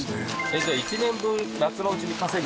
じゃあ１年分夏のうちに稼ぐみたいな事？